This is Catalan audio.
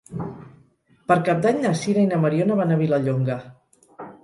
Per Cap d'Any na Sira i na Mariona van a Vilallonga.